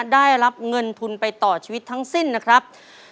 ได้รับเงินทุนไปต่อชีวิตทั้งสิ้นนะครับ